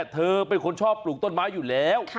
เธอเป็นคนชอบปลูกต้นไม้อยู่แล้ว